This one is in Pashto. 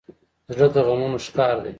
زړه د غمونو ښکار دی.